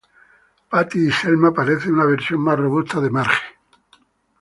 Patty y Selma parecen una versión más robusta de Marge.